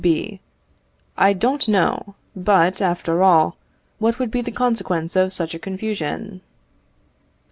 B. I don't know; but, after all, what would be the consequence of such a confusion?